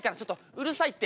うるさいって。